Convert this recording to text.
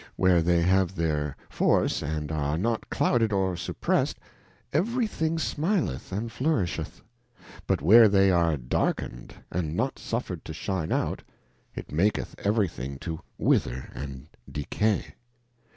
Where they have theirjorce and are not_clouded or supprest, every thing smileth and flourisheth ; but where they are darkened, and not suffered to shine out, it maketh every thing to wither and decay.